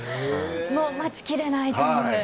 もう待ちきれないという。